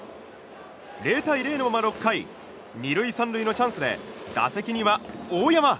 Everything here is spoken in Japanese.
０対０のまま６回２塁３塁のチャンスで打席には大山。